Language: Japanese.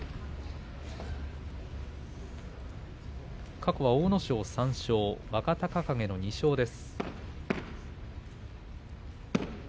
過去、阿武咲の３勝若隆景の２勝です。